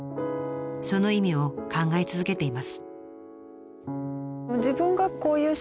その意味を考え続けています。